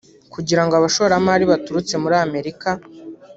kugira ngo abashoramari baturutse muri Amerika